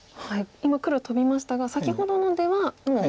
今黒トビましたが先ほどの出はもう。